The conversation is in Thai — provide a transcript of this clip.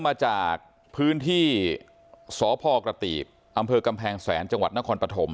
มาจากพื้นที่สพกระตีบอำเภอกำแพงแสนจังหวัดนครปฐม